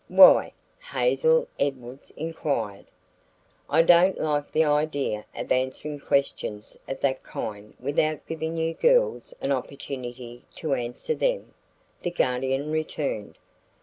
"Why?" Hazel Edwards inquired. "I don't like the idea of answering questions of that kind without giving you girls an opportunity to answer them," the Guardian returned.